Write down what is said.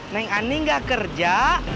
neng ani gak kerja